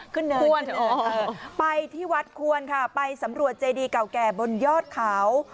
ขึ้นเลิกไปที่วัดควรไปสำรวจเจดีเก่าบนยอดเขา